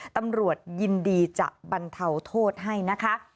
ตำรวจยินดีจะบรรเทาโทษให้นะคะ